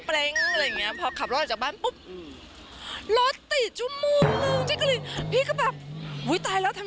เพลงอะไรอย่างนี้พอขับรถจากบ้านปุ๊บรถติดชั่วโมงนึงพี่ก็แบบหุ้ยตายแล้วทำ